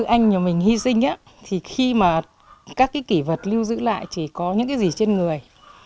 anh và mình hy sinh á thì khi mà các cái kỷ vật lưu giữ lại chỉ có những cái gì trên người